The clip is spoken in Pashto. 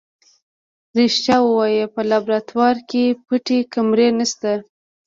يره رښتيا ووايه په لابراتوار کې پټې کمرې نشته.